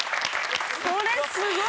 これすごい。